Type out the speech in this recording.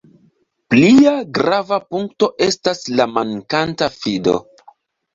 Plia grava punkto estas la mankanta fido.